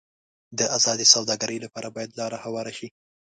د ازادې سوداګرۍ لپاره باید لار هواره شي.